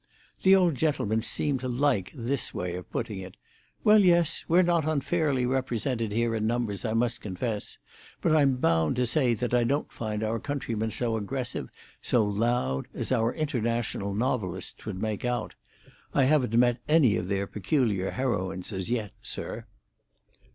The old gentleman seemed to like this way of putting it. "Well, yes, we're not unfairly represented here in numbers, I must confess. But I'm bound to say that I don't find our countrymen so aggressive, so loud, as our international novelists would make out. I haven't met any of their peculiar heroines as yet, sir."